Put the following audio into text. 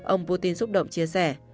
ông putin xúc động chia sẻ